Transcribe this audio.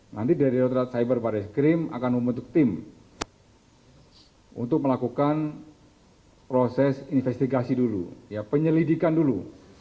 nanti direkturat cyber baris krim akan membentuk tim untuk melakukan proses investigasi dulu penyelidikan dulu